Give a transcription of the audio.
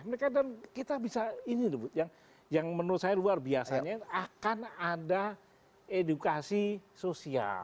mereka dan kita bisa ini yang menurut saya luar biasanya akan ada edukasi sosial